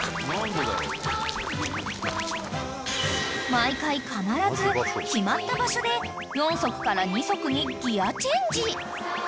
［毎回必ず決まった場所で４足から２足にギアチェンジ］